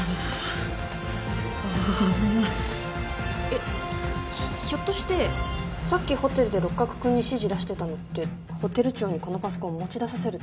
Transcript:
えっひょっとしてさっきホテルで六角君に指示出してたのってホテル長にこのパソコンを持ち出させるため？